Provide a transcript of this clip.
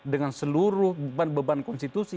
dengan seluruh beban beban konstitusi